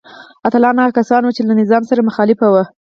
اتلان هغه کسان وو چې له نظام سره مخالف وو.